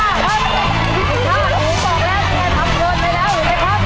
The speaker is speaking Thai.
เห็นไหมครับ